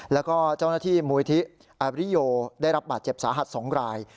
แล้วก็เจ้าหน้าที่มูลที่อาริโยได้รับบาดเจ็บสาหัส๒ราย